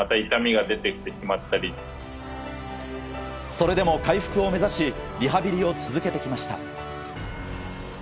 それでも回復を目指しリハビリを続けてきました。